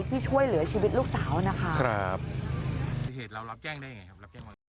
ที่ช่วยเหลือชีวิตลูกสาวนะคะ